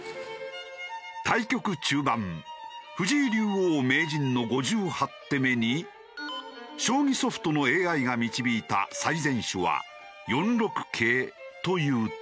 対局中盤藤井竜王・名人の５８手目に将棋ソフトのＡＩが導いた最善手は４六桂という手。